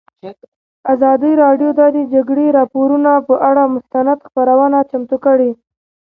ازادي راډیو د د جګړې راپورونه پر اړه مستند خپرونه چمتو کړې.